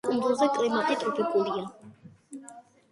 კუნძულზე კლიმატი ტროპიკულია.